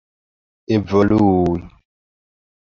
evolui